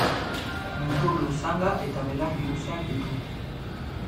Mutur luzanga eta belarri luzeak ditu.